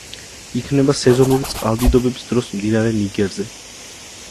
იქმნება სეზონური წყალდიდობების დროს მდინარე ნიგერზე.